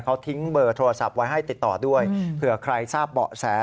เขาทิ้งเบอร์โทรศัพท์ไว้ให้ติดต่อด้วยเผื่อใครทราบเบาะแส